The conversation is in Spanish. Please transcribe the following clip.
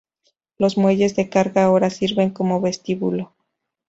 Los muelles de carga ahora sirven como vestíbulo.